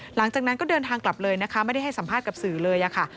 หลังจากนั้นก็เดินทางกลับเลยนะคะไม่ได้ให้สัมภาษณ์กับสื่อเลยค่ะ